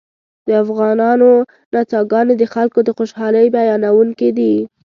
د افغانانو نڅاګانې د خلکو د خوشحالۍ بیانوونکې دي